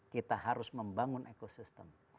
kita harus membangun ecosystem